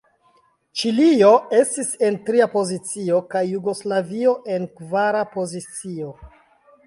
Ĉilio estis en tria pozicio, kaj Jugoslavio en kvara pozicio.